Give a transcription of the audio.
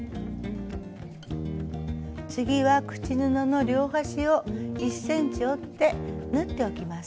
次は口布の両端を１ｃｍ折って縫っておきます。